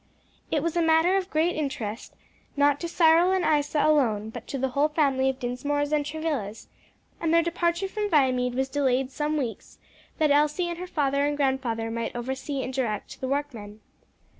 It was a matter of great interest, not to Cyril and Isa alone, but to the whole family of Dinsmores and Travillas; and their departure from Viamede was delayed some weeks that Elsie and her father and grandfather might oversee and direct the workmen.